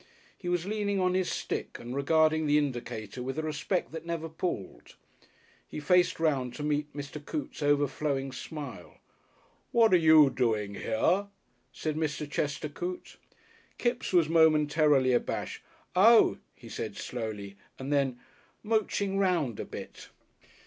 He was leaning on his stick and regarding the indicator with a respect that never palled. He faced round to meet Mr. Coote's overflowing smile. "What are you doang hea?" said Mr. Chester Coote. Kipps was momentarily abashed. "Oh," he said slowly, and then, "Mooching round a bit."